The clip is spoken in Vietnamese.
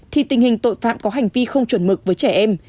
thì tình hình tội phạm có hành vi không chuẩn mực với trẻ em